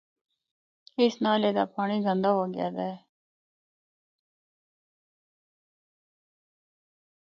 اس نالے دا پانڑی گندا ہو گیا دا اے۔